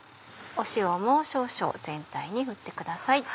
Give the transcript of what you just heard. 塩も少々全体に振ってください。